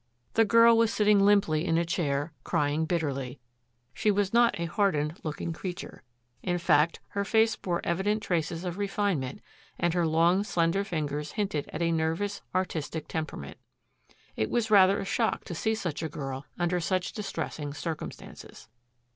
The girl was sitting limply in a chair crying bitterly. She was not a hardened looking creature. In fact, her face bore evident traces of refinement, and her long, slender fingers hinted at a nervous, artistic temperament. It was rather a shock to see such a girl under such distressing circumstances.